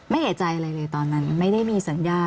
เอกใจอะไรเลยตอนนั้นไม่ได้มีสัญญา